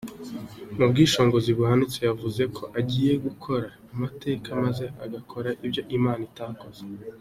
Mubwishongozi buhanitse yavuze ko agiye gukora amateka maze agakora ibyo Imana itakoze.